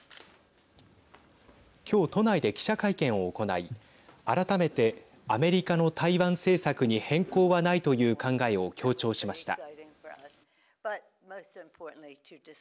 今日、都内で記者会見を行い改めて、アメリカの台湾政策に変更はないという考えを強調しました。